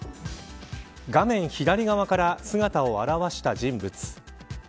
画面左側から姿を現した人物。